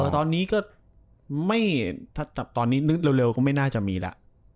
ตอนนี้เร็วก็ไม่น่าจะมีละ